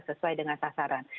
sesuai dengan tasaran